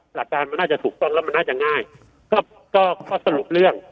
หลักการมันน่าจะถูกต้องแล้วมันน่าจะง่ายก็ก็ข้อสรุปเรื่อง